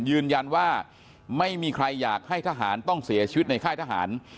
ยืนยันว่าไม่มีใครอยากให้ทหารต้องเสียชีวิตในค่ายทหาร